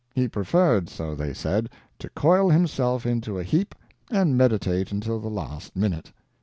He preferred, so they said, to coil himself into a heap and meditate until the last minute.